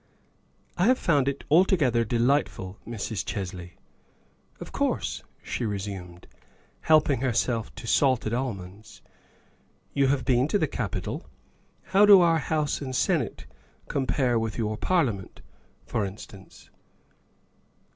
'' I have found it altogether delightful, Mrs. Chesley. ''" Of course," she resumed, helping herself to salted almonds, " you have been to the Capitol. How do our House and Senate compare with your Parliament, for instance